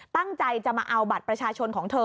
ตั้งใจจะมาเอาบัตรประชาชนของเธอ